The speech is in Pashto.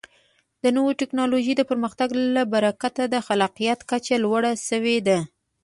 د نوو ټکنالوژیو د پرمختګ له برکته د خلاقیت کچه لوړه شوې ده.